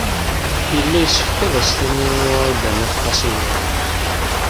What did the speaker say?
Yella yessefk ad as-tini i Wrida n At Qasi Muḥ.